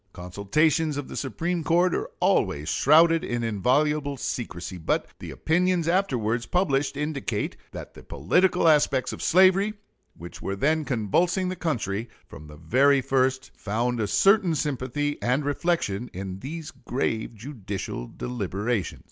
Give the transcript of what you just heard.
Consultations of the Supreme Court are always shrouded in inviolable secrecy, but the opinions afterwards published indicate that the political aspects of slavery, which were then convulsing the country, from the very first found a certain sympathy and reflection in these grave judicial deliberations.